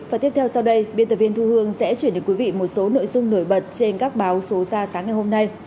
và tiếp theo sau đây biên tập viên thu hương sẽ chuyển đến quý vị một số nội dung nổi bật trên các báo số ra sáng ngày hôm nay